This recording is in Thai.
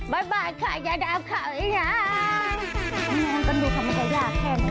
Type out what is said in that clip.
บ๊ายบายค่ะอย่าดาบข้าวอีกนะ